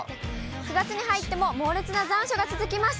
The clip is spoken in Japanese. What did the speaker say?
９月に入っても、猛烈な残暑が続きます。